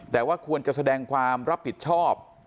แต่ว่าควรจะแสดงความรับผิดชอบ